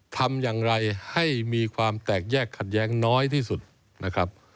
ทำอย่างไรให้มีความแตกแยกขัดแย้งน้อยที่สุดนะครับ